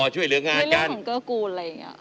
ในเรื่องของเกอร์กูลอะไรอย่างเงียบ